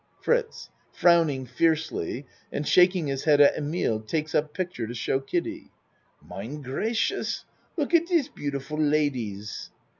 FRITZ (Frowning fiercely and shaking his head at Emile, takes up picture to show Kiddie.) Mine gracious! Look at dis beautiful ladies.